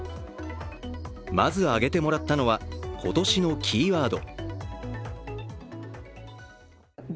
まず挙げてもらったのは今年のキーワード。